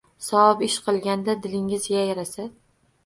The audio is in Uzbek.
Savob ish qilganda dilingiz yayrasa